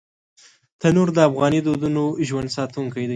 تنور د افغاني دودونو ژوندي ساتونکی دی